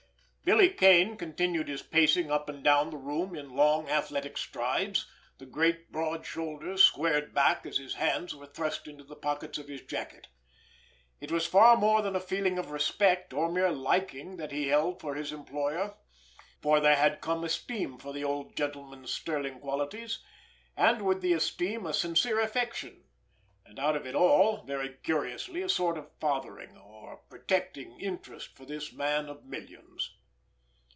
Billy Kane continued his pacing up and down the room in long, athletic strides, the great, broad shoulders squared back as his hands were thrust into the pockets of his jacket. It was far more than a feeling of respect or mere liking that he held for his employer, for there had come esteem for the old gentleman's sterling qualities, and with the esteem a sincere affection, and out of it all, very curiously, a sort of fathering, or protecting interest for this man of millions.